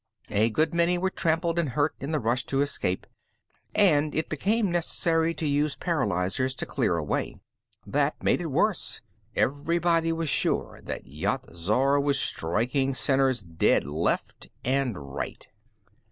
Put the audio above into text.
A good many were trampled and hurt in the rush to escape, and it became necessary to use paralyzers to clear a way. That made it worse: everybody was sure that Yat Zar was striking sinners dead left and right.